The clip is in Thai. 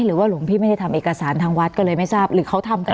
หลวงพี่ไม่ได้ทำเอกสารทางวัดก็เลยไม่ทราบหรือเขาทำกัน